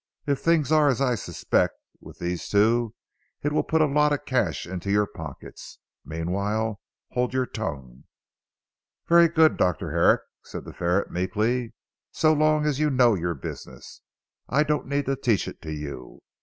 If things are as I suspect with these two it will put a lot of cash into your pockets. Meanwhile, hold your tongue." "Very good Dr. Herrick," said the ferret meekly, "so long as you know your business, I don't need to teach it to you.